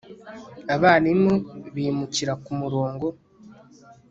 abarimu bimukira kumurongo